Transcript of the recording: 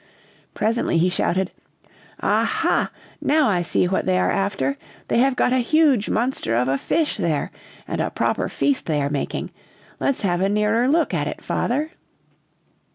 Presently he shouted: "Aha! now I see what they are after! They have got a huge monster of a fish there and a proper feast they are making! Let's have a nearer look at it, father!"